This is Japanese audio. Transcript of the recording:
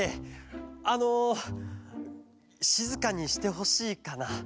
あのしずかにしてほしいかな。